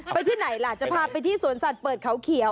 ที่ไหนล่ะจะพาไปที่สวนสัตว์เปิดเขาเขียว